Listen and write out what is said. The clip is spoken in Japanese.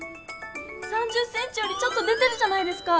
３０センチよりちょっと出てるじゃないですか！